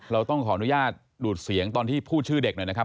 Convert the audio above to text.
เราต้องขออนุญาตดูดเสียงตอนที่พูดชื่อเด็กหน่อยนะครับ